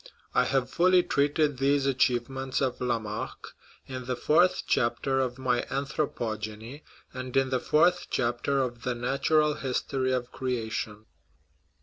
I have fully treated these achievements of Lamarck in the fourth chapter of my Anthropogeny, and in the fourth chapter of the Natural History of Creation.